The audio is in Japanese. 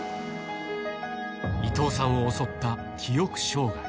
伊藤さんを襲った記憶障害。